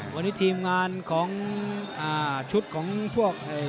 วันนี้ทีมงานของชุดของพวก